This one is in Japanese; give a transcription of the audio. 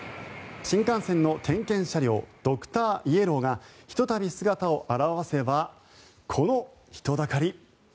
新幹線の点検車両ドクターイエローがひとたび姿を現せばこの人だかり。